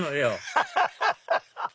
ハハハハハ！